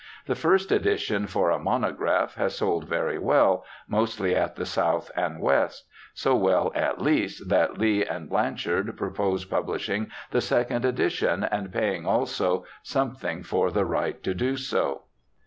The first edition, for a monograph, has sold very well, mostly at the South and West ; so well at least that Lea & Blan chard propose publishing the second edition and paying also something for the right to do so.'